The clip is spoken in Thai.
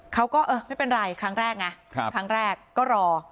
เขาก็เออไม่เป็นไรครั้งแรกไงครั้งแรกก็รอ